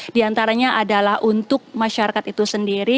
di antaranya adalah untuk masyarakat itu sendiri